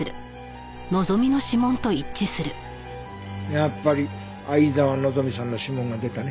やっぱり沢希さんの指紋が出たね。